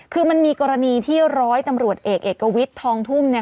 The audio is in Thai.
คือมันมีกรณีที่ร้อยตำรวจเอกเอกวิทย์ทองทุ่มเนี่ย